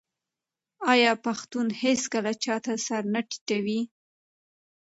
آیا پښتون هیڅکله چا ته سر نه ټیټوي؟